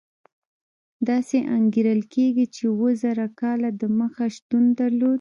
داسې انګېرل کېږي چې اوه زره کاله دمخه شتون درلود.